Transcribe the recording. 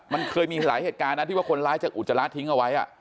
มันเคยมีหลายเหตุการณ์นะที่ว่าคนร้ายจะอุจจาระทิ้งเอาไว้